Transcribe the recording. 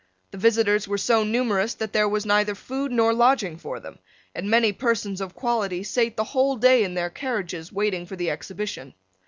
The visitors were so numerous that there was neither food nor lodging for them; and many persons of quality sate the whole day in their carriages waiting for the exhibition.